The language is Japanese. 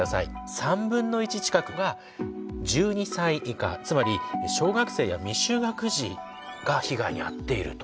３分の１近くが１２歳以下つまり小学生や未就学児が被害に遭っていると。